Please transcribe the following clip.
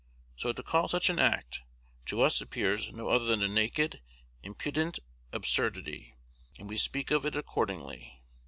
So to call such an act, to us appears no other than a naked, impudent absurdity, and we speak of it accordingly.